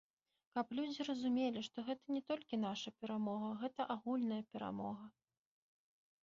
Каб людзі разумелі, што гэта не толькі наша перамога, гэта агульная перамога.